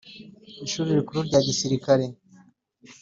ishuli rikuru rya gisilikare